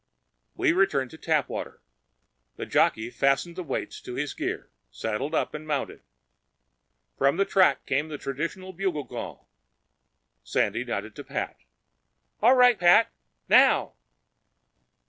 We returned to Tapwater. The jockey fastened the weights to his gear, saddled up and mounted. From the track came the traditional bugle call. Sandy nodded to Pat. "All right, Pat. Now!"